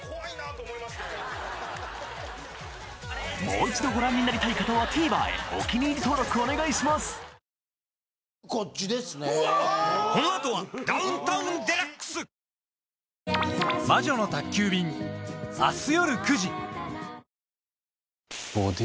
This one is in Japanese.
もう一度ご覧になりたい方はＴＶｅｒへお気に入り登録お願いします！ダウンタウンです。